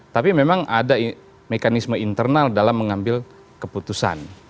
tapi memang ada mekanisme internal dalam mengambil keputusan